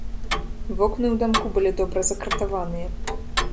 Вокны ў дамку былі добра закратаваныя.